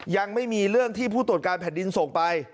ยังไม่มีเรื่องที่ผู้ตรวจการแผ่นดินส่งไป